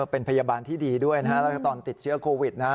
เป็นพยาบาลที่ดีด้วยนะฮะแล้วก็ตอนติดเชื้อโควิดนะฮะ